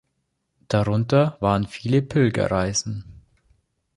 Darunter waren viele Pilgerreisen.